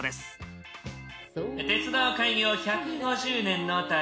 鉄道開業１５０年の旅。